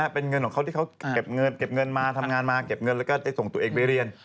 เป็นเงินของเขาที่เขาเก็บเงินมาทำงานมาเก็บเงินแล้วก็ได้ส่งตัวเองไปเรียน